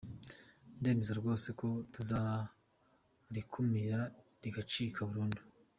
Ndemeza rwose ko tuzarikumira rigacika burundu”.